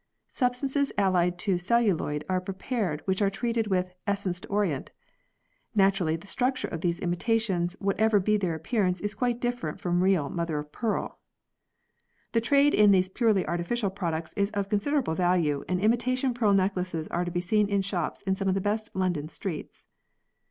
Substances allied to celluloid are prepared which are treated with "essence d'orient." Naturally the structure of these imitations whatever be their appearance is quite different from real mother of pearl. The trade in these purely artificial products is of considerable value and imitation pearl necklaces are to be seen in shops in some of the best London streets.